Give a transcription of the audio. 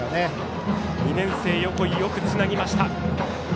２年生、横井よくつなぎました。